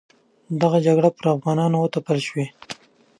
دغه جګړې پر افغانانو وتپل شوې.